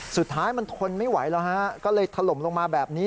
สุดท้ายมันทนไม่ไหวแล้วฮะก็เลยถล่มลงมาแบบนี้